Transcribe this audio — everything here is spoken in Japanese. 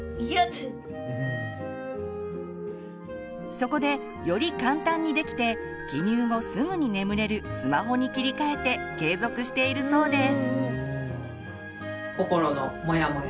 そこでより簡単にできて記入後すぐに眠れるスマホに切り替えて継続しているそうです。